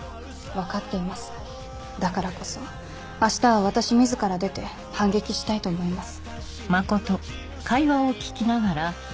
分かっていますだからこそ明日は私自ら出て反撃したいと思います。